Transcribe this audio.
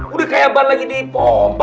udah kayak ban lagi dipomba